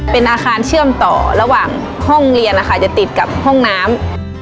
เป็นอาคารเชื่อมต่อระหว่างห้องเรียนนะคะจะติดกับห้องน้ำ